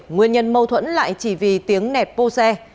nguyên nhân mâu thuẫn lại chỉ vì tiếng nẹt bô xe